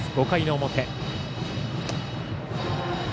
５回の表。